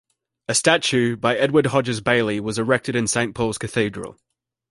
A statue by Edward Hodges Baily was erected in Saint Paul's Cathedral.